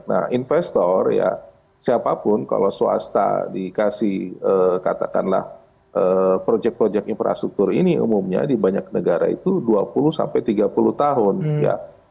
nah investor ya siapapun kalau swasta dikasih katakanlah proyek proyek infrastruktur ini umumnya di banyak negara itu dua puluh sampai tiga puluh tahun ya